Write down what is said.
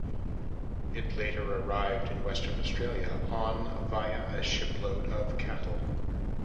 It later arrived in Western Australia on via a shipload of cattle.